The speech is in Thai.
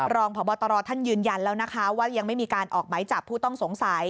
รองพบตรท่านยืนยันแล้วนะคะว่ายังไม่มีการออกไหมจับผู้ต้องสงสัย